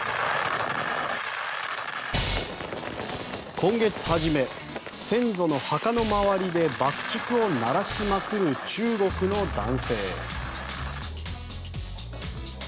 今月初め先祖の墓の周りで爆竹を鳴らしまくる中国の男性。